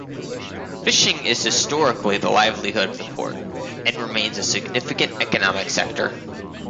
Fishing is historically the livelihood of the port, and remains a significant economic sector.